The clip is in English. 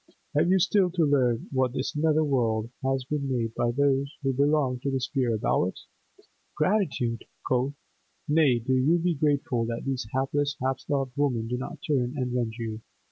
Have you still to learn what this nether world has been made by those who belong to the sphere above it?—Gratitude, quotha?—Nay, do you be grateful that these hapless, half starved women do not turn and rend you.